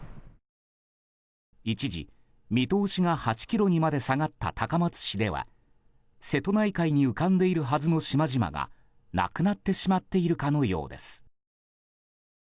一時、見通しが８ｋｍにまで下がった高松市では瀬戸内海に浮かんでいるはずの島々がなくなってしまっているかのようです。